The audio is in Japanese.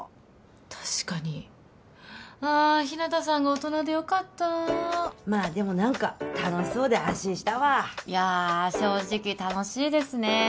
確かにあ日向さんが大人でよかったまあでも何か楽しそうで安心したわいやあ正直楽しいですね